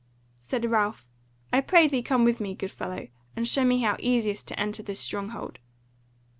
Said Ralph: "I pray thee come with me, good fellow, and show me how easiest to enter this stronghold."